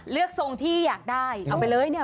ทรงที่อยากได้เอาไปเลยเนี่ย